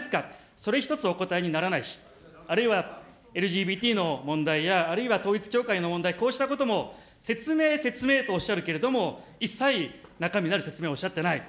それ一つお答えにならないし、あるいはＬＧＢＴの問題や、あるいは統一教会の問題、こうしたことも説明、説明とおっしゃるけれども、一切中身のある説明をおっしゃってない。